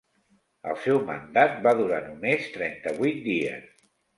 El seu mandat va durar només trenta-vuit dies.